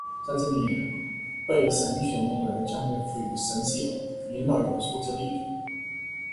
在这里，被神选中的人将被授予「神之眼」，引导元素之力。